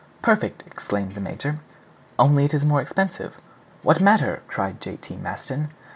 "Perfect!" exclaimed the major. "Only it is more expensive." "What matter?" cried J. T. Maston.